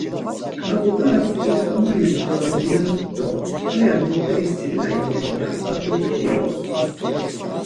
Ǩabğas ixamanen doren do haya muper silai ren ar dotkvi’ ya utzves.